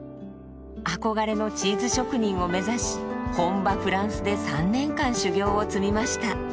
憧れのチーズ職人を目指し本場フランスで３年間修行を積みました。